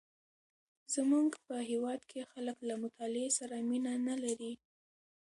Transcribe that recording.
زمونږ په هیواد کې خلک له مطالعې سره مینه نه لري.